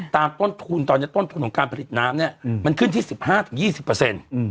ต้นทุนตอนนี้ต้นทุนของการผลิตน้ำเนี่ยมันขึ้นที่๑๕๒๐เปอร์เซ็นต์